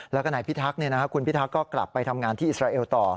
แล้วก็นายพิทักษ์คุณพิทักษ์ก็กลับไปทำงานที่อิสราเอลต่อ